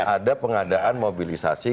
ada pengadaan mobilisasi